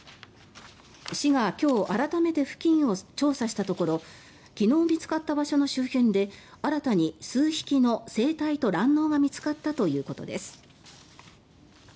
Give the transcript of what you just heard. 市が今日改めて付近を調査したところ昨日見つかった場所の周辺で新たに数匹の成体と卵のうが見つかったということです。